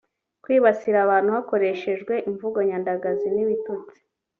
kwibasira abantu hakoreshejwe imvugo nyandagazi n’ibitutsi